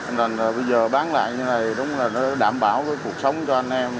nên bây giờ bán lại như thế này đúng là nó đảm bảo cái cuộc sống cho anh em